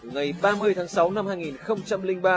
ngày ba mươi tháng sáu năm hai nghìn ba